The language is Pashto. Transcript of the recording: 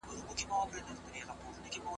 نړیوال امنیت د هیوادونو د یووالي غوښتنه کوي.